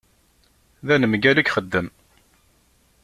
D anemgal i yexdem.